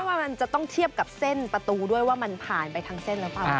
ว่ามันจะต้องเทียบกับเส้นประตูด้วยว่ามันผ่านไปทางเส้นหรือเปล่า